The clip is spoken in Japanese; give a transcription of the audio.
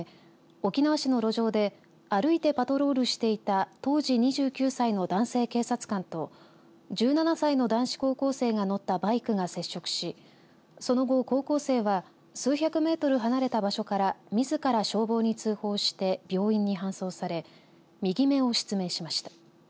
沖縄市の路上で歩いてパトロールしていた当時２９歳の男性警察官と１７歳の男子高校生が乗ったバイクが接触しその後、高校生は数百メートル離れた場所からみずから消防に通報して病院に搬送され右目を失明しました。